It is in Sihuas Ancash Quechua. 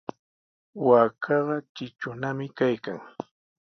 Waakaqa tritrunami kaykan.